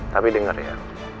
tapi dengar ya